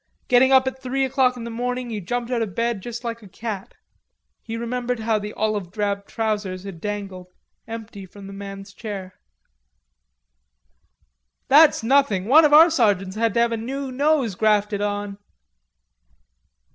Getting up at three o'clock in the morning, you jumped out of bed just like a cat.... He remembered how the olive drab trousers had dangled, empty from the man's chair. "That's nothing; one of our sergeants had to have a new nose grafted on...."